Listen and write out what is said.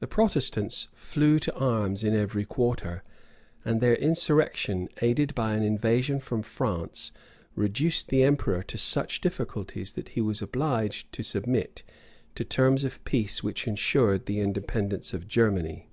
The Protestants flew to arms in every quarter; and their insurrection, aided by an invasion from France, reduced the emperor to such difficulties, that he was obliged to submit to terms of peace which insured the independency of Germany.